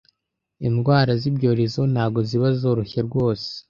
Indwara z’ibyorezo ntago ziba zoroshye rwose .